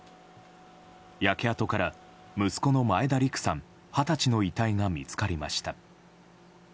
焼け跡から、息子の前田陸さん二十歳の遺体が見つかりました。